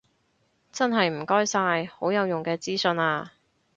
真係唔該晒，好有用嘅資訊啊